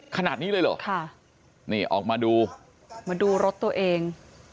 ขนาดนี้เลยเหรอค่ะนี่ออกมาดูมาดูรถตัวเอง